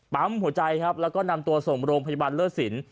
ปั๊มหัวใจครับแล้วก็นำตัวสมโรงพยาบาลเลือดศิลป์